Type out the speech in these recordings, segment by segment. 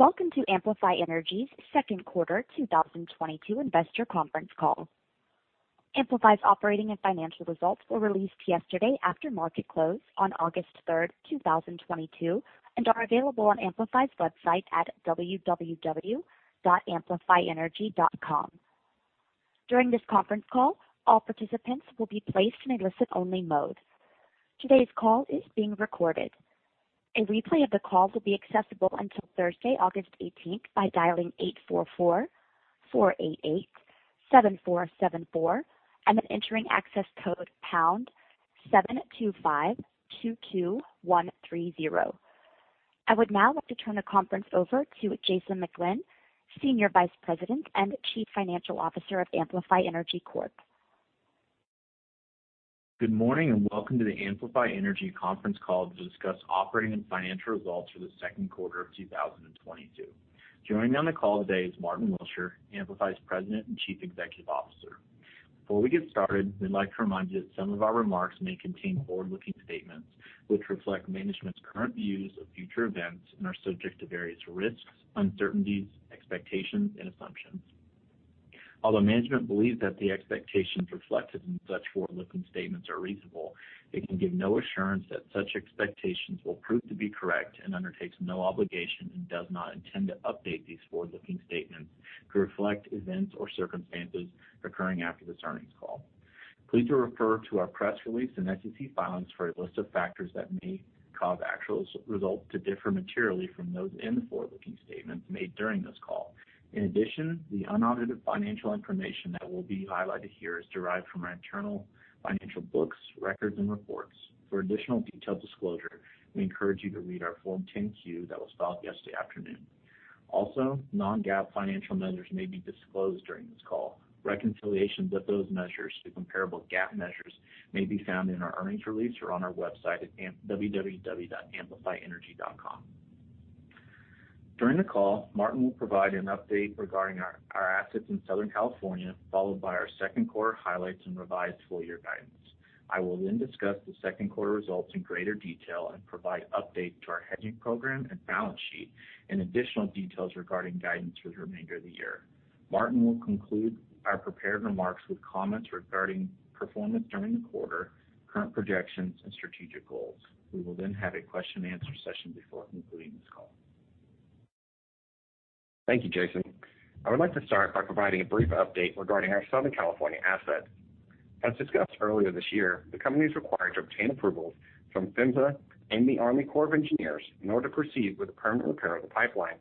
Welcome to Amplify Energy's second quarter 2022 investor conference call. Amplify's operating and financial results were released yesterday after market close on August 3rd, 2022, and are available on Amplify's website at www.amplifyenergy.com. During this conference call, all participants will be placed in a listen-only mode. Today's call is being recorded. A replay of the call will be accessible until Thursday, August 18, by dialing 844-488-7474 and then entering access code #7252130. I would now like to turn the conference over to Jason McGlynn, Senior Vice President and Chief Financial Officer of Amplify Energy Corp. Good morning, and welcome to the Amplify Energy conference call to discuss operating and financial results for the second quarter of 2022. Joining me on the call today is Martyn Willsher, Amplify's President and Chief Executive Officer. Before we get started, we'd like to remind you that some of our remarks may contain forward-looking statements, which reflect management's current views of future events and are subject to various risks, uncertainties, expectations, and assumptions. Although management believes that the expectations reflected in such forward-looking statements are reasonable, it can give no assurance that such expectations will prove to be correct and undertakes no obligation and does not intend to update these forward-looking statements to reflect events or circumstances occurring after this earnings call. Please refer to our press release and SEC filings for a list of factors that may cause actual results to differ materially from those in the forward-looking statements made during this call. In addition, the unaudited financial information that will be highlighted here is derived from our internal financial books, records, and reports. For additional detailed disclosure, we encourage you to read our Form 10-Q that was filed yesterday afternoon. Also, non-GAAP financial measures may be disclosed during this call. Reconciliations of those measures to comparable GAAP measures may be found in our earnings release or on our website at www.amplifyenergy.com. During the call, Martyn will provide an update regarding our assets in Southern California, followed by our second quarter highlights and revised full year guidance. I will then discuss the second quarter results in greater detail and provide update to our hedging program and balance sheet and additional details regarding guidance for the remainder of the year. Martyn will conclude our prepared remarks with comments regarding performance during the quarter, current projections, and strategic goals. We will then have a question-and-answer session before concluding this call. Thank you, Jason. I would like to start by providing a brief update regarding our Southern California assets. As discussed earlier this year, the company is required to obtain approvals from PHMSA and the Army Corps of Engineers in order to proceed with the permanent repair of the pipeline.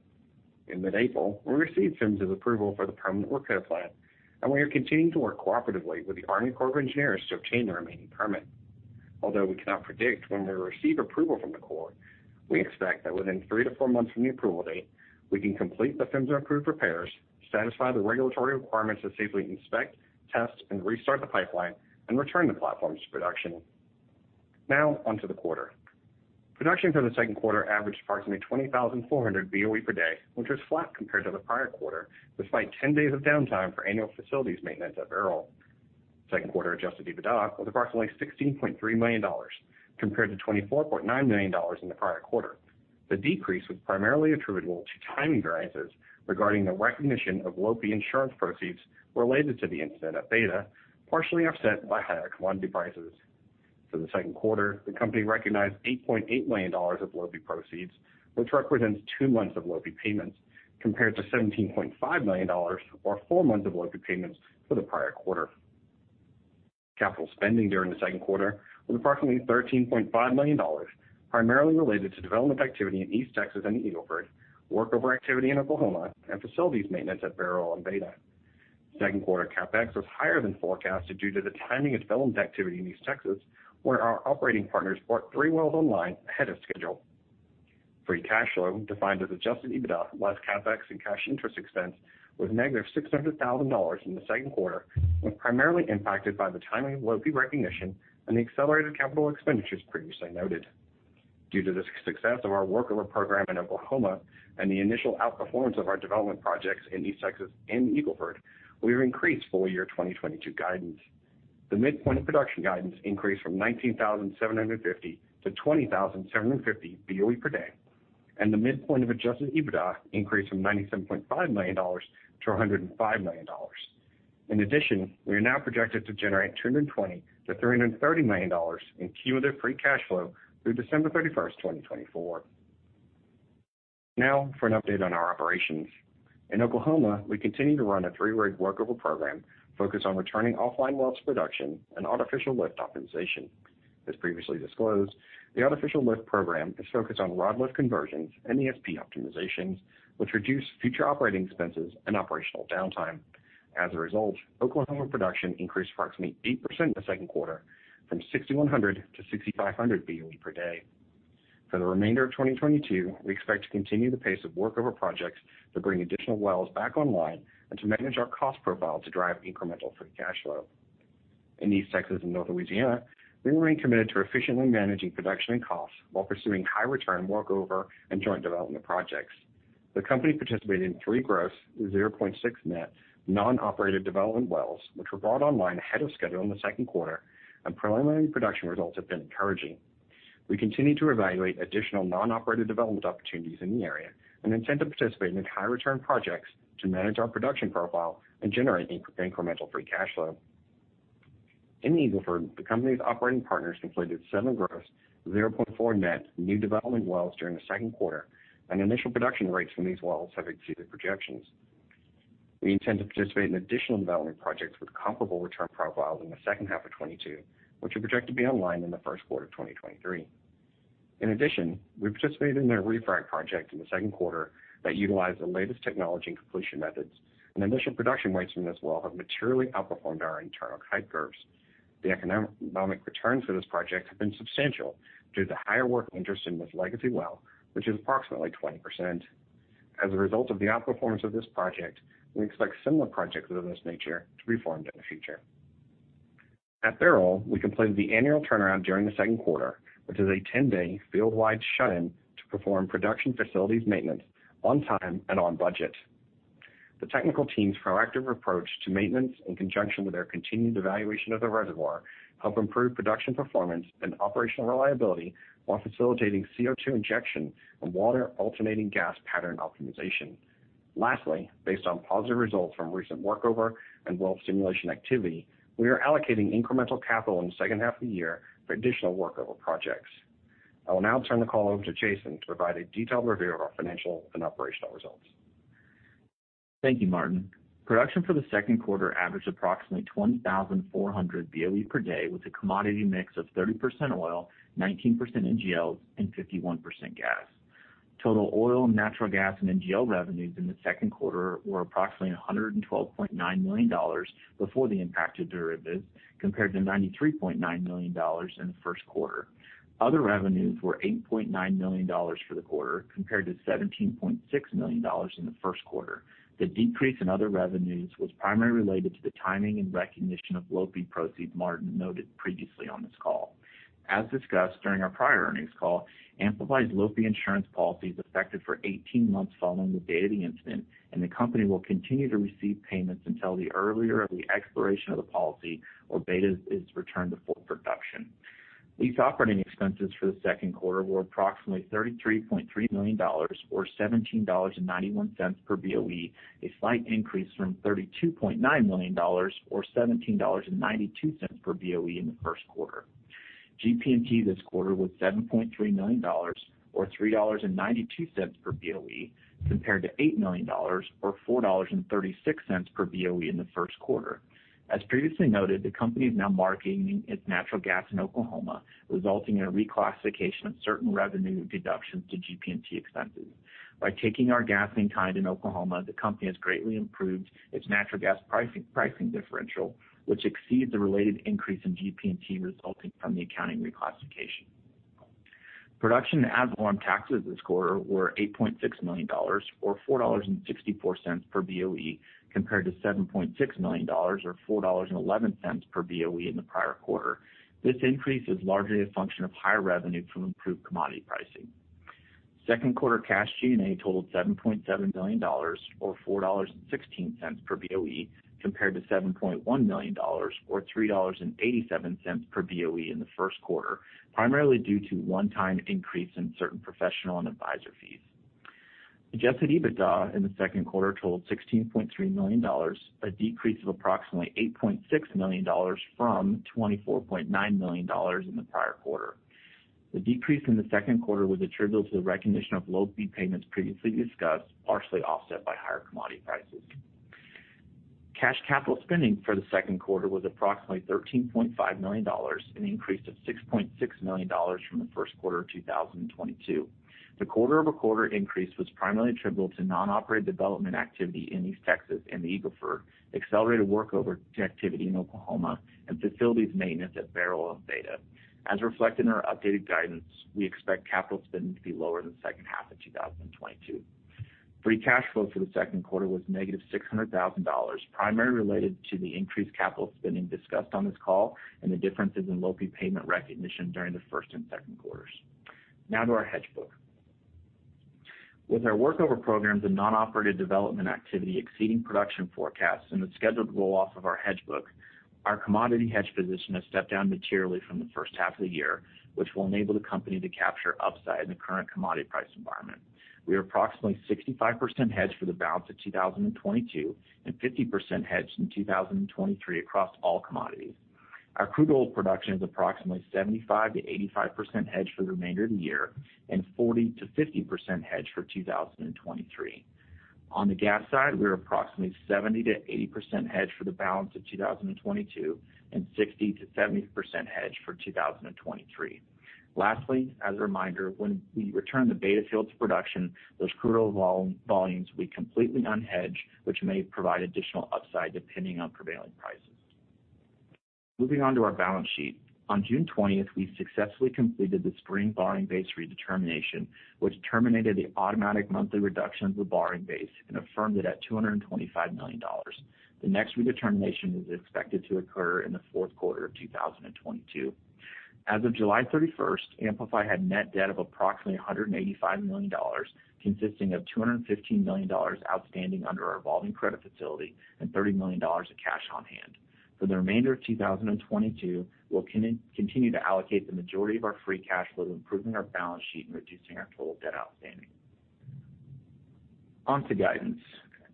In mid-April, we received PHMSA's approval for the permanent work care plan, and we are continuing to work cooperatively with the Army Corps of Engineers to obtain the remaining permit. Although we cannot predict when we receive approval from the Corps, we expect that within three to four months from the approval date, we can complete the PHMSA approved repairs, satisfy the regulatory requirements to safely inspect, test, and restart the pipeline and return the platforms to production. Now onto the quarter. Production for the second quarter averaged approximately 20,400 BOE per day, which was flat compared to the prior quarter, despite 10 days of downtime for annual facilities maintenance at Bairoil. Second quarter Adjusted EBITDA was approximately $16.3 million compared to $24.9 million in the prior quarter. The decrease was primarily attributable to timing variances regarding the recognition of LOPI insurance proceeds related to the incident at Beta, partially offset by higher commodity prices. For the second quarter, the company recognized $8.8 million of LOPI proceeds, which represents two months of LOPI payments, compared to $17.5 million or four months of LOPI payments for the prior quarter. Capital spending during the second quarter was approximately $13.5 million, primarily related to development activity in East Texas and the Eagle Ford, workover activity in Oklahoma, and facilities maintenance at Bairoil and Beta. Second quarter CapEx was higher than forecasted due to the timing of development activity in East Texas, where our operating partners brought three wells online ahead of schedule. Free cash flow, defined as adjusted EBITDA less CapEx and cash interest expense, was -$600,000 in the second quarter, was primarily impacted by the timing of LOPI recognition and the accelerated capital expenditures previously noted. Due to the success of our workover program in Oklahoma and the initial outperformance of our development projects in East Texas and the Eagle Ford, we have increased full year 2022 guidance. The midpoint of production guidance increased from 19,750 to 20,750 BOE per day, and the midpoint of Adjusted EBITDA increased from $97.5 million-$105 million. In addition, we are now projected to generate $220 million-$330 million in cumulative free cash flow through December 31st, 2024. Now for an update on our operations. In Oklahoma, we continue to run a three-rig workover program focused on returning offline wells to production and artificial lift optimization. As previously disclosed, the artificial lift program is focused on rod lift conversions and ESP optimizations, which reduce future operating expenses and operational downtime. As a result, Oklahoma production increased approximately 8% in the second quarter from 6,100-6,500 BOE per day. For the remainder of 2022, we expect to continue the pace of workover projects to bring additional wells back online and to manage our cost profile to drive incremental free cash flow. In East Texas and North Louisiana, we remain committed to efficiently managing production and costs while pursuing high return workover and joint development projects. The company participated in three gross, 0.6 net non-operated development wells, which were brought online ahead of schedule in the second quarter, and preliminary production results have been encouraging. We continue to evaluate additional non-operated development opportunities in the area and intend to participate in high return projects to manage our production profile and generate incremental free cash flow. In the Eagle Ford, the company's operating partners completed seven gross, 0.4 net new development wells during the second quarter, and initial production rates from these wells have exceeded projections. We intend to participate in additional development projects with comparable return profiles in the second half of 2022, which are projected to be online in the first quarter of 2023. In addition, we participated in a refrac project in the second quarter that utilized the latest technology and completion methods, and initial production rates from this well have materially outperformed our internal type curves. The economic return for this project has been substantial due to the higher working interest in this legacy well, which is approximately 20%. As a result of the outperformance of this project, we expect similar projects of this nature to be formed in the future. At Bairoil, we completed the annual turnaround during the second quarter, which is a 10-day field-wide shut-in to perform production facilities maintenance on time and on budget. The technical team's proactive approach to maintenance in conjunction with their continued evaluation of the reservoir help improve production performance and operational reliability while facilitating CO2 injection and water alternating gas pattern optimization. Lastly, based on positive results from recent workover and well stimulation activity, we are allocating incremental capital in the second half of the year for additional workover projects. I will now turn the call over to Jason to provide a detailed review of our financial and operational results. Thank you, Martyn. Production for the second quarter averaged approximately 20,400 BOE per day with a commodity mix of 30% oil, 19% NGLs, and 51% gas. Total oil, natural gas, and NGL revenues in the second quarter were approximately $112.9 million before the impact of derivatives, compared to $93.9 million in the first quarter. Other revenues were $8.9 million for the quarter, compared to $17.6 million in the first quarter. The decrease in other revenues was primarily related to the timing and recognition of LOPI proceeds Martyn noted previously on this call. As discussed during our prior earnings call, Amplify's LOPI insurance policy is affected for 18 months following the date of the incident, and the company will continue to receive payments until the earlier of the expiration of the policy or Beta is returned to full production. Lease operating expenses for the second quarter were approximately $33.3 million or $17.91 per BOE, a slight increase from $32.9 million or $17.92 per BOE in the first quarter. GP&T this quarter was $7.3 million or $3.92 per BOE compared to $8 million or $4.36 per BOE in the first quarter. As previously noted, the company is now marketing its natural gas in Oklahoma, resulting in a reclassification of certain revenue deductions to GP&T expenses. By taking our gas in kind in Oklahoma, the company has greatly improved its natural gas pricing differential, which exceeds the related increase in GP&T resulting from the accounting reclassification. Production ad valorem taxes this quarter were $8.6 million or $4.64 per BOE compared to $7.6 million or $4.11 per BOE in the prior quarter. This increase is largely a function of higher revenue from improved commodity pricing. Second quarter cash G&A totaled $7.7 million or $4.16 per BOE compared to $7.1 million or $3.87 per BOE in the first quarter, primarily due to one-time increase in certain professional and advisor fees. Adjusted EBITDA in the second quarter totaled $16.3 million, a decrease of approximately $8.6 million from $24.9 million in the prior quarter. The decrease in the second quarter was attributable to the recognition of LOE payments previously discussed, partially offset by higher commodity prices. Cash capital spending for the second quarter was approximately $13.5 million, an increase of $6.6 million from the first quarter of 2022. The quarter-over-quarter increase was primarily attributable to non-operated development activity in East Texas and the Eagle Ford, accelerated workover activity in Oklahoma, and facilities maintenance at Bairoil and Beta. As reflected in our updated guidance, we expect capital spending to be lower in the second half of 2022. Free cash flow for the second quarter was -$600,000, primarily related to the increased capital spending discussed on this call and the differences in LOE payment recognition during the first and second quarters. Now to our hedge book. With our workover programs and non-operated development activity exceeding production forecasts and the scheduled roll-off of our hedge book, our commodity hedge position has stepped down materially from the first half of the year, which will enable the company to capture upside in the current commodity price environment. We are approximately 65% hedged for the balance of 2022 and 50% hedged in 2023 across all commodities. Our crude oil production is approximately 75%-85% hedged for the remainder of the year and 40%-50% hedged for 2023. On the gas side, we are approximately 70%-80% hedged for the balance of 2022 and 60%-70% hedged for 2023. Lastly, as a reminder, when we return the Beta field to production, those crude oil volumes will be completely unhedged, which may provide additional upside depending on prevailing prices. Moving on to our balance sheet. On June 20th, we successfully completed the spring borrowing base redetermination, which terminated the automatic monthly reduction of the borrowing base and affirmed it at $225 million. The next redetermination is expected to occur in the fourth quarter of 2022. As of July 31st, Amplify had net debt of approximately $185 million, consisting of $215 million outstanding under our revolving credit facility and $30 million of cash on hand. For the remainder of 2022, we'll continue to allocate the majority of our free cash flow to improving our balance sheet and reducing our total debt outstanding. On to guidance.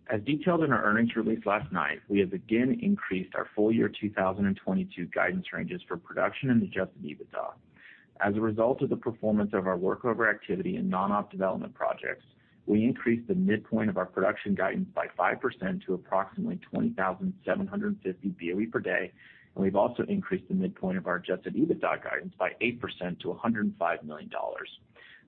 As detailed in our earnings release last night, we have again increased our full year 2022 guidance ranges for production and Adjusted EBITDA. As a result of the performance of our workover activity and non-op development projects, we increased the midpoint of our production guidance by 5% to approximately 20,750 BOE per day. We've also increased the midpoint of our Adjusted EBITDA guidance by 8% to $105 million.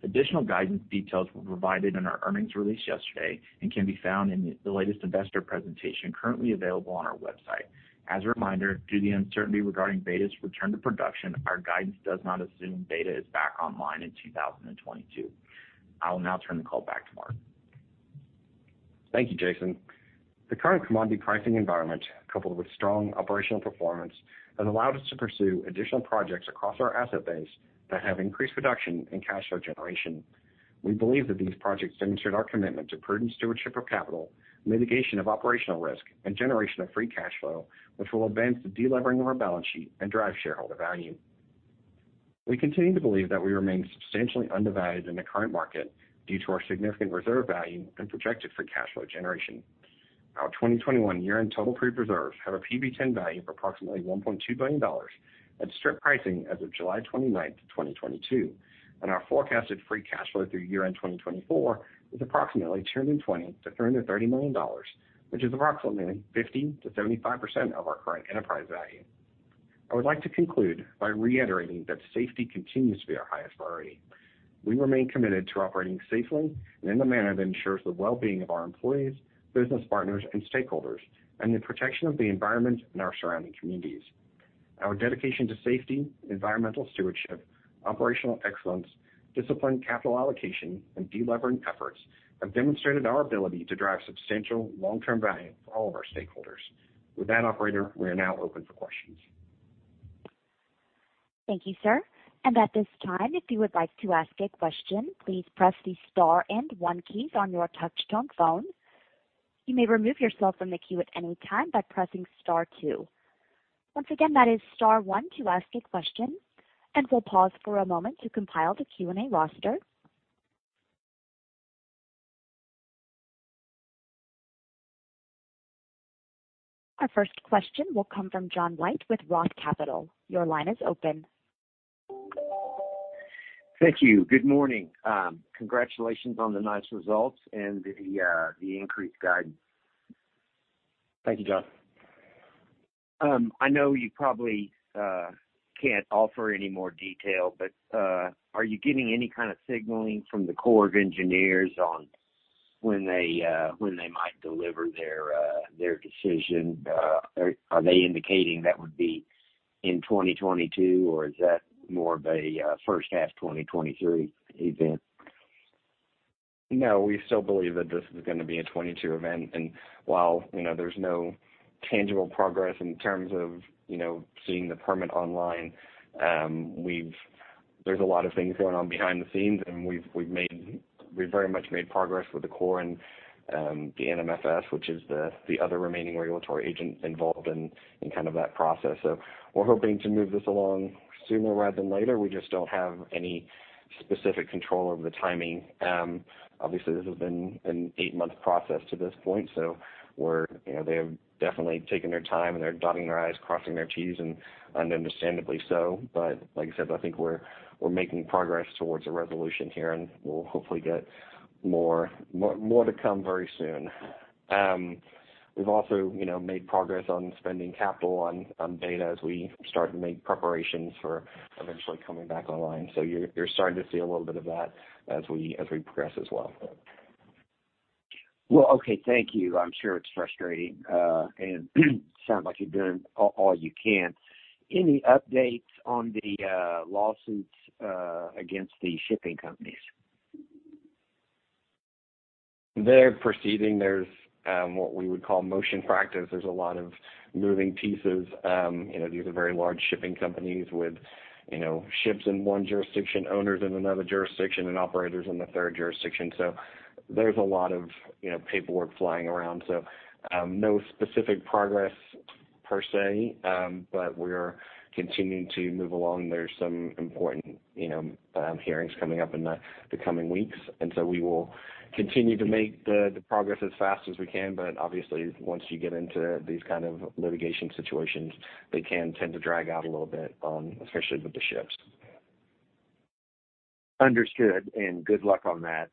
Additional guidance details were provided in our earnings release yesterday and can be found in the latest investor presentation currently available on our website. As a reminder, due to the uncertainty regarding Beta's return to production, our guidance does not assume Beta is back online in 2022. I will now turn the call back to Martyn. Thank you, Jason. The current commodity pricing environment, coupled with strong operational performance, has allowed us to pursue additional projects across our asset base that have increased production and cash flow generation. We believe that these projects demonstrate our commitment to prudent stewardship of capital, mitigation of operational risk, and generation of free cash flow, which will advance the delevering of our balance sheet and drive shareholder value. We continue to believe that we remain substantially undervalued in the current market due to our significant reserve value and projected free cash flow generation. Our 2021 year-end total proved reserves have a PV-10 value of approximately $1.2 billion at strip pricing as of July 29th, 2022, and our forecasted free cash flow through year-end 2024 is approximately $220 million-$330 million, which is approximately 50%-75% of our current enterprise value. I would like to conclude by reiterating that safety continues to be our highest priority. We remain committed to operating safely and in a manner that ensures the well-being of our employees, business partners, and stakeholders, and the protection of the environment and our surrounding communities. Our dedication to safety, environmental stewardship, operational excellence, disciplined capital allocation, and delevering efforts have demonstrated our ability to drive substantial long-term value for all of our stakeholders. With that, operator, we are now open for questions. Thank you, sir. At this time, if you would like to ask a question, please press the star and one keys on your touchtone phone. You may remove yourself from the queue at any time by pressing star two. Once again, that is star one to ask a question, and we'll pause for a moment to compile the Q&A roster. Our first question will come from John White with ROTH Capital. Your line is open. Thank you. Good morning. Congratulations on the nice results and the increased guidance. Thank you, John. I know you probably can't offer any more detail, but are you getting any kind of signaling from the Army Corps of Engineers on when they might deliver their decision? Are they indicating that would be in 2022, or is that more of a first half 2023 event? No, we still believe that this is gonna be a 22 event. While, you know, there's no tangible progress in terms of, you know, seeing the permit online, there's a lot of things going on behind the scenes, and we've very much made progress with the Corps and the NMFS, which is the other remaining regulatory agent involved in kind of that process. We're hoping to move this along sooner rather than later. We just don't have any specific control over the timing. Obviously, this has been an eight-month process to this point. You know, they have definitely taken their time, and they're dotting their I's, crossing their T's, and understandably so. Like I said, I think we're making progress towards a resolution here, and we'll hopefully get more to come very soon. We've also, you know, made progress on spending capital on Beta as we start to make preparations for eventually coming back online. You're starting to see a little bit of that as we progress as well. Well, okay. Thank you. I'm sure it's frustrating, and sounds like you're doing all you can. Any updates on the lawsuits against the shipping companies? They're proceeding. There's what we would call motion practice. There's a lot of moving pieces. You know, these are very large shipping companies with, you know, ships in one jurisdiction, owners in another jurisdiction, and operators in a third jurisdiction. There's a lot of, you know, paperwork flying around. No specific progress per se, but we're continuing to move along. There's some important, you know, hearings coming up in the coming weeks, and we will continue to make the progress as fast as we can. Obviously, once you get into these kind of litigation situations, they can tend to drag out a little bit, especially with the ships. Understood, and good luck on that.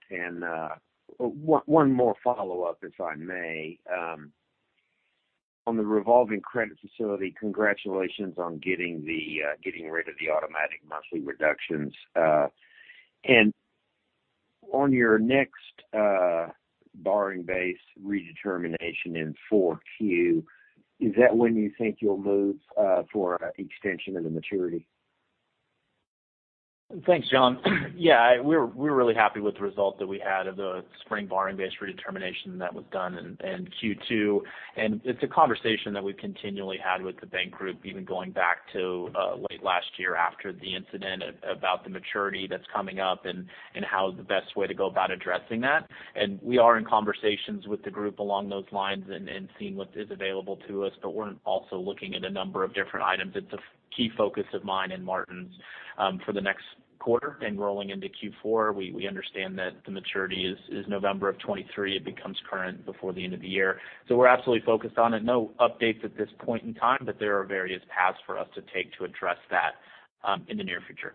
One more follow-up, if I may. On the revolving credit facility, congratulations on getting rid of the automatic monthly reductions. On your next borrowing base redetermination in 4Q, is that when you think you'll move for extension of the maturity? Thanks, John. Yeah, we're really happy with the result that we had of the spring borrowing base redetermination that was done in Q2. It's a conversation that we continually had with the bank group, even going back to late last year after the incident about the maturity that's coming up and how the best way to go about addressing that. We are in conversations with the group along those lines and seeing what is available to us, but we're also looking at a number of different items. It's a key focus of mine and Martyn's for the next quarter and rolling into Q4. We understand that the maturity is November 2023. It becomes current before the end of the year. We're absolutely focused on it. No updates at this point in time, but there are various paths for us to take to address that, in the near future.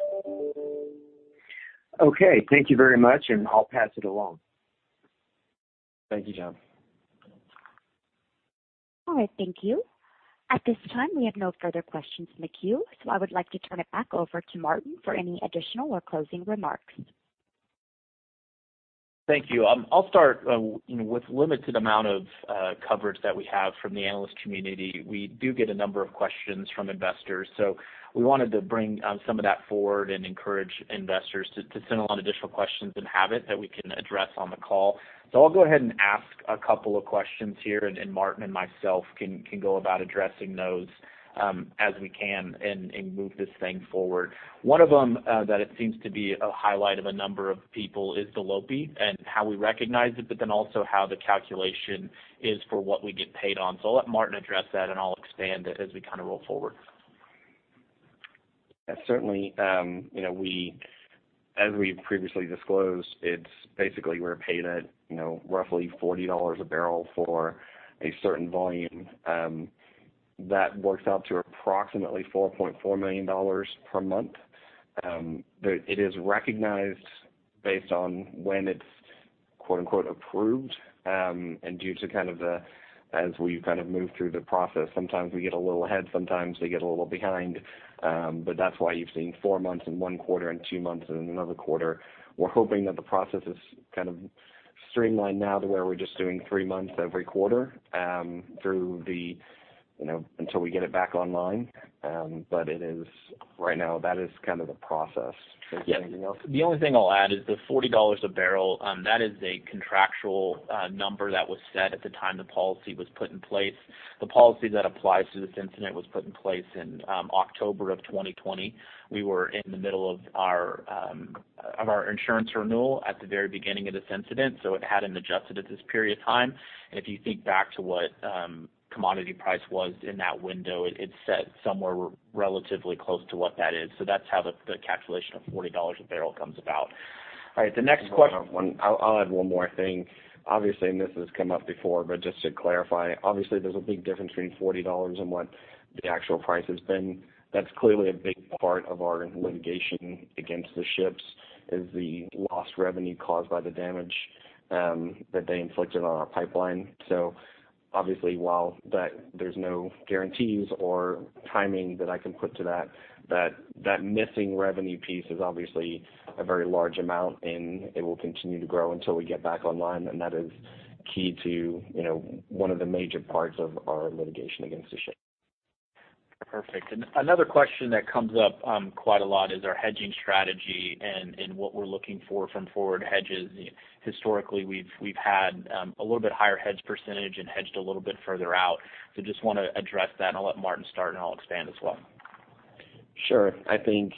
Okay, thank you very much, and I'll pass it along. Thank you, John. All right, thank you. At this time, we have no further questions in the queue, so I would like to turn it back over to Martyn for any additional or closing remarks. Thank you. I'll start, you know, with limited amount of coverage that we have from the analyst community, we do get a number of questions from investors. We wanted to bring some of that forward and encourage investors to send along additional questions in Habit that we can address on the call. I'll go ahead and ask a couple of questions here, and Martyn and myself can go about addressing those, as we can and move this thing forward. One of them that it seems to be a highlight of a number of people is the LOPI and how we recognize it, but then also how the calculation is for what we get paid on. I'll let Martyn address that and I'll expand it as we kind of roll forward. Yeah, certainly, you know, as we previously disclosed, it's basically we're paid at, you know, roughly $40 a bbl for a certain volume. That works out to approximately $4.4 million per month. It is recognized based on when it's quote-unquote approved, and due to kind of the, as we kind of move through the process, sometimes we get a little ahead, sometimes we get a little behind. But that's why you've seen four months in one quarter and two months in another quarter. We're hoping that the process is kind of streamlined now to where we're just doing three months every quarter, through the, you know, until we get it back online. But it is right now, that is kind of the process. Is there anything else? Yeah. The only thing I'll add is the $40 a bbl that is a contractual number that was set at the time the policy was put in place. The policy that applies to this incident was put in place in October of 2020. We were in the middle of our insurance renewal at the very beginning of this incident, so it hadn't adjusted at this period of time. If you think back to what commodity price was in that window, it's set somewhere relatively close to what that is. So that's how the calculation of $40 a barrel comes about. All right, the next question. Hold on. I'll add one more thing. Obviously, this has come up before, but just to clarify, obviously, there's a big difference between $40 and what the actual price has been. That's clearly a big part of our litigation against the ships. The lost revenue caused by the damage that they inflicted on our pipeline is a big part of our litigation against the ships. So obviously, while that there's no guarantees or timing that I can put to that missing revenue piece is obviously a very large amount, and it will continue to grow until we get back online. That is key to, you know, one of the major parts of our litigation against the ships. Perfect. Another question that comes up quite a lot is our hedging strategy and what we're looking for from forward hedges. Historically, we've had a little bit higher hedge percentage and hedged a little bit further out. Just wanna address that, and I'll let Martyn start, and I'll expand as well. Sure. I think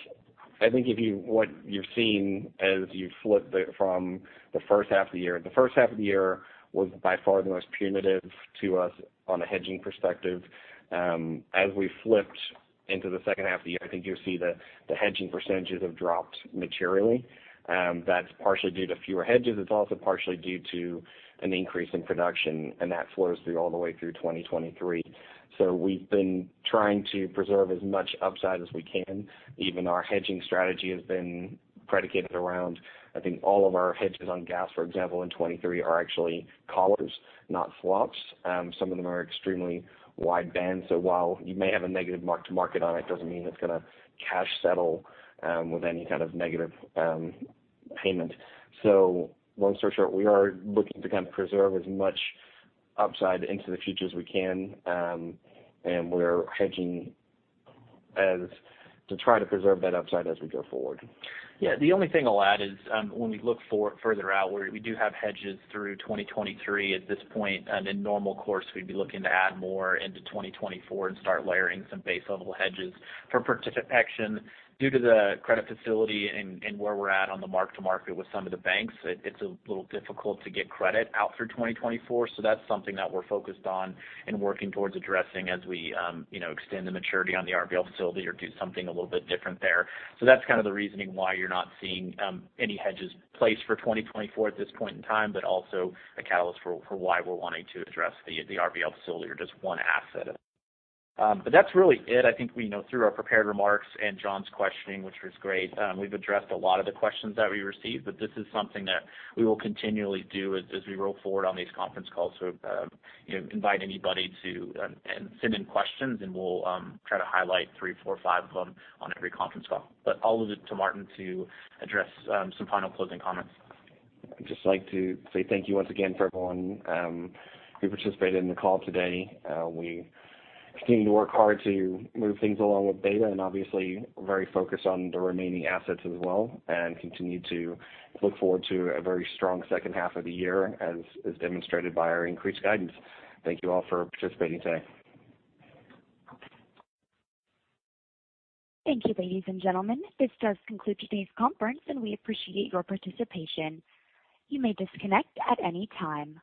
what you've seen from the first half of the year, the first half of the year was by far the most punitive to us on a hedging perspective. As we flipped into the second half of the year, I think you'll see the hedging percentages have dropped materially. That's partially due to fewer hedges. It's also partially due to an increase in production, and that flows through all the way through 2023. We've been trying to preserve as much upside as we can. Even our hedging strategy has been predicated around, I think all of our hedges on gas, for example, in 2023 are actually collars, not swaps. Some of them are extremely wide band. While you may have a negative mark to market on it, doesn't mean it's gonna cash settle with any kind of negative payment. Long story short, we are looking to kind of preserve as much upside into the future as we can, and we're hedging as to try to preserve that upside as we go forward. Yeah. The only thing I'll add is, when we look for further out, we do have hedges through 2023 at this point. In normal course, we'd be looking to add more into 2024 and start layering some base level hedges. For protection, due to the credit facility and where we're at on the mark to market with some of the banks, it's a little difficult to get credit out through 2024. That's something that we're focused on and working towards addressing as we, you know, extend the maturity on the RBL facility or do something a little bit different there. That's kind of the reasoning why you're not seeing any hedges placed for 2024 at this point in time, but also a catalyst for why we're wanting to address the RBL facility or just one asset. That's really it. I think, you know, through our prepared remarks and John's questioning, which was great, we've addressed a lot of the questions that we received. This is something that we will continually do as we roll forward on these conference calls to, you know, invite anybody to send in questions, and we'll try to highlight three, four, five of them on every conference call. I'll leave it to Martyn to address some final closing comments. I'd just like to say thank you once again for everyone who participated in the call today. We continue to work hard to move things along with Beta and obviously very focused on the remaining assets as well and continue to look forward to a very strong second half of the year as demonstrated by our increased guidance. Thank you all for participating today. Thank you, ladies and gentlemen. This does conclude today's conference, and we appreciate your participation. You may disconnect at any time.